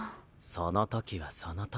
その時はその時。